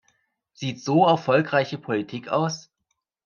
Sieht so erfolgreiche Politik aus?